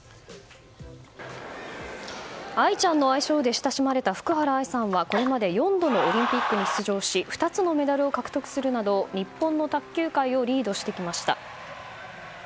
愛ちゃんの愛称で親しまれた福原愛さんはこれまで４度のオリンピックに出場し２つのメダルを獲得するなど日本の卓球界をリードしてきました。